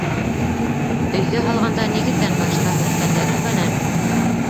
Өйҙө һалғанда нигеҙҙән башла, һүткәндә түбәнән.